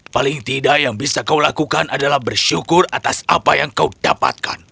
paling tidak yang bisa kau lakukan adalah bersyukur atas apa yang kau dapatkan